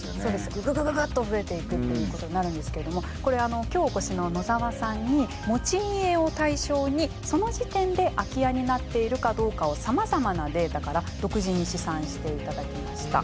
ぐぐぐぐぐっと増えていくということになるんですけれどもこれ今日お越しの野澤さんに持ち家を対象にその時点で空き家になっているかどうかをさまざまなデータから独自に試算していただきました。